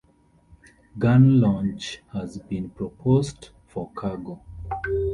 Gun launch has been proposed for cargo.